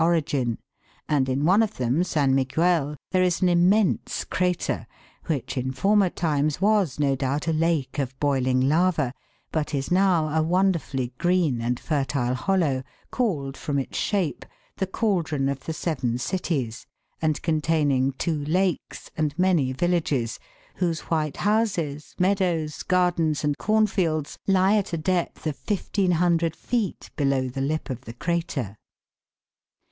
origin, and in one of them, San Miguel, there is an immense crater, which in former times was no doubt a. lake of boiling lava, but is now a wonderfully green and fertile hollow, called, from its shape, the Cauldron of the Seven Cities, and containing two lakes and many villages, whose white houses, meadows gardens, and corn fields, lie at a depth of 1,500 feet below the lip of the crater.